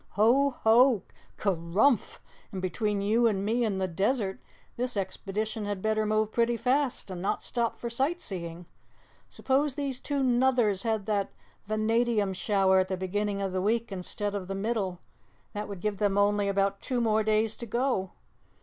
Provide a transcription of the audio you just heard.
Ho, HO! KERUMPH! And between you and me and the desert, this expedition had better move pretty fast and not stop for sightseeing. Suppose these two Nuthers had that vanadium shower at the beginning of the week instead of the middle, that would give them only about two more days to go?